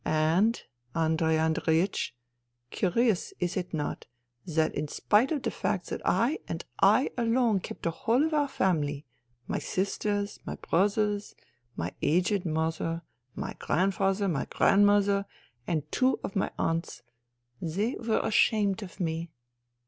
And, Andrei Andreiech, curious, is it not, that in spite of the fact that I and I alone kept the whole of our family — my sisters, my brothers, my aged mother, my grandfather, my grandmother and two of my aunts — ^they were ashamed of me.